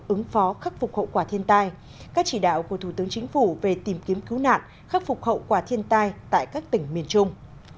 ứng phó khắc phục hậu quả thiên tai các chỉ đạo của thủ tướng chính phủ về tìm kiếm cứu nạn khắc phục hậu quả thiên tai tại các tỉnh miền trung